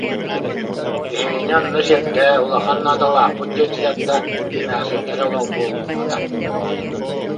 Биһигини онно сирдээ, улахан наадалаахпыт диэтилэр да, эмээхсиннэрэ олох буолуммата